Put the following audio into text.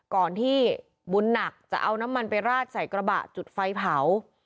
ก่อนที่บุญหนักจะเอาน้ำมันไปราดใส่กระบะจุดไฟเผา